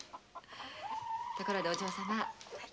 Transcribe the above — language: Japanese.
ところでお嬢様。